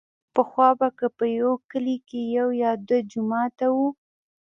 پخوا به که په يوه کلي کښې يو يا دوه جوماته وو.